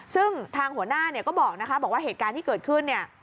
ซึ่งทางหัวหน้าเนี่ยก็บอกนะคะบอกว่าเหตุการณ์ที่เกิดขึ้นเนี่ย